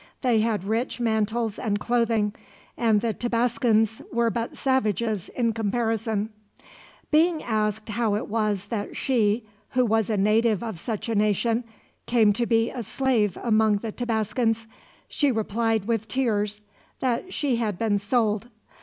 They had rich mantles and clothing, and the Tabascans were but savages, in comparison. Being asked how it was that she, who was a native of such a nation, came to be a slave among the Tabascans, she replied with tears that she had been sold.